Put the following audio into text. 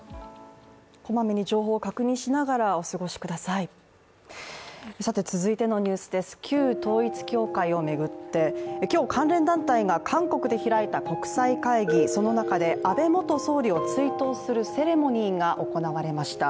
小まめに情報を確認しながらお過ごしください続いてのニュースです、旧統一教会を巡って、今日、関連団体が韓国で開いた国際会議、その中で、安倍元総理を追悼するセレモニーが行われました。